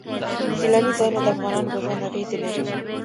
سیلاني ځایونه د افغانانو په ژوند اغېزې لري.